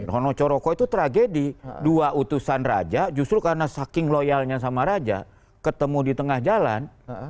honocoroko itu tragedi dua utusan raja justru karena saking loyalnya sama raja ketemu di tengah jalan